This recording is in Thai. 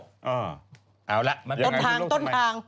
ต้นทาง